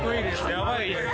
やばいです。